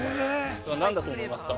それは何だと思いますか。